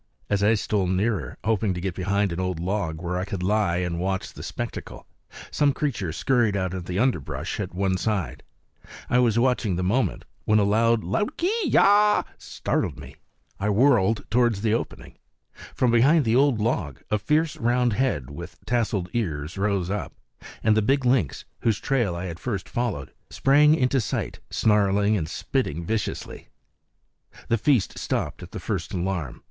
As I stole nearer, hoping to get behind an old log where I could lie and watch the spectacle, some creature scurried out of the underbrush at one side. I was watching the movement, when a loud kee yaaah! startled me; I whirled towards the opening. From behind the old log a fierce round head with tasseled ears rose up, and the big lynx, whose trail I had first followed, sprang into sight snarling and spitting viciously. The feast stopped at the first alarm.